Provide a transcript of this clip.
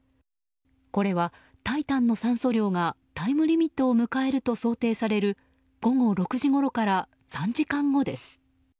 これは「タイタン」の酸素量がタイムリミットを迎えると想定される午後６時ごろから３時間後です。